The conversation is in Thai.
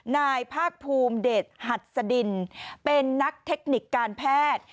นายภาคภูมิเดชหัดสดินเป็นนักเทคนิคการแพทย์